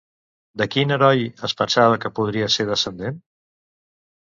De quin heroi es pensava que podria ser descendent?